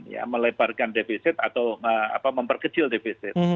ya melebarkan defisit atau memperkecil defisit